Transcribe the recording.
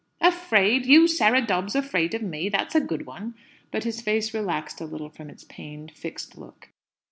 "Afraid! You, Sarah Dobbs, afraid of me! That's a good one!" But his face relaxed a little from its pained, fixed look.